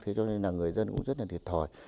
thế cho nên là người dân cũng rất là thiệt thòi